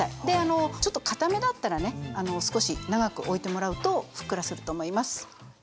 でちょっとかためだったらね少し長くおいてもらうとふっくらすると思います。